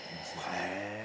へえ。